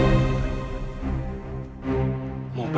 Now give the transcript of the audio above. mereka mau kemana